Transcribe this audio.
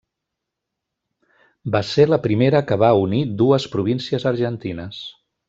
Va ser la primera que va unir dues províncies argentines.